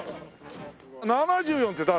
７４って誰？